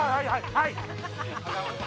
はい！